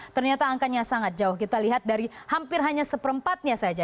ternyata angkanya sangat jauh kita lihat dari hampir hanya seperempatnya saja